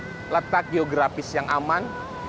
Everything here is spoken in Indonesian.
jalur ini dianggap memiliki letak geografis yang aman